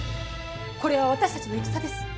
これは私たちの戦です。